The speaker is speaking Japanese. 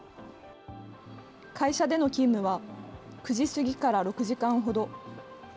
会社での勤務は、９時過ぎから６時間ほど。